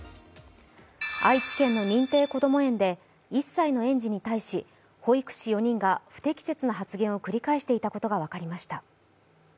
愛知県の認定こども園で１歳の園児に対し、保育士４人が不適切な発言を繰り返していたことが分かりました。